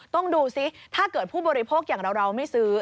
ต้องดูซิถ้าเกิดผู้บริโภคอย่างเราไม่ซื้อ